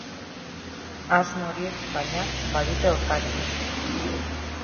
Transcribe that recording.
Asmo horiek, baina, badute aurkaririk.